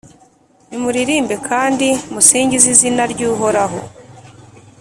nimuririmbe kandi musingize izina ry’Uhoraho,